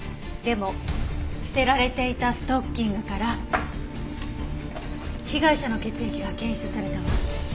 でも捨てられていたストッキングから被害者の血液が検出されたわ。